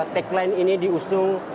tek line ini diusung